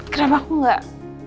kenapa aku enggak